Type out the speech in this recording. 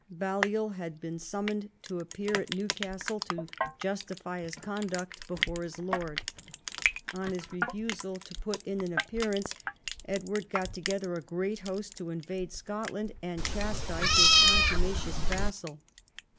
Balliol had been summoned to appear at New castle to justify his conduct before his lord. On his refusal to put in an appearance, Edward got together a great host to invade Scotland, and chastise his con tumacious vassal.